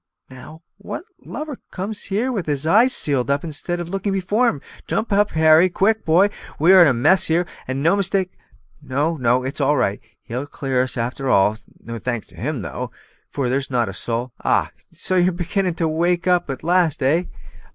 Now, what lubber comes here with his eyes sealed up instead of looking before him? Jump up, Harry; quick, boy! we are in a mess here, and no mistake. No, no; it's all right, he'll clear us a'ter all. No thanks to him though, for there's not a soul ah! so you're beginning to wake up at last, eh!"